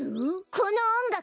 このおんがく！